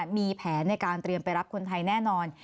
มีแผนในการเตรียมไปรับคนไทยแน่นอน